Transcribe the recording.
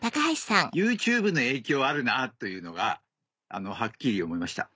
ＹｏｕＴｕｂｅの影響はあるなというのがはっきり思いました。